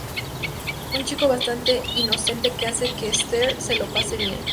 Un chico bastante inocente que hace que Esther se lo pase bien.